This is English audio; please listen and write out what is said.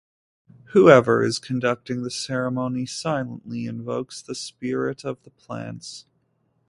Whoever is conducting the ceremony silently invokes the spirit of the plants.